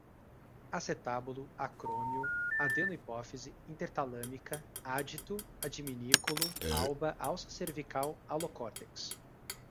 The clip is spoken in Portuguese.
acetábulo, acrômio, adeno-hipófise, intertalâmica, ádito, adminículo, alba, alça cervical, alocórtex